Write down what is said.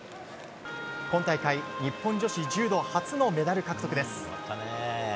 今大会、日本女子柔道初のメダル獲得です。